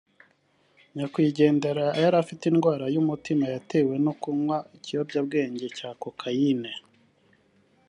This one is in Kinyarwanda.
« Nyakwigendera yari afite indwara y’umutima yatewe no kunywa ikiyobyabwenge cya cocaïne